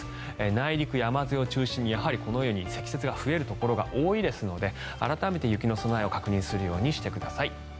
内陸山沿いを中心にやはりこのように積雪が増えるところが多いですので、改めて雪の備えをするようにしてください。